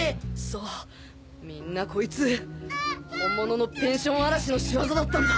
そうみんなこいつ本物のペンション荒らしの仕業だったんだ。